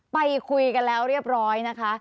ไปคุยกันแล้วเรียบร้อยนะคะ